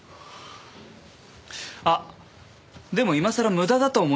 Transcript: あっでも今さら無駄だと思いますよ。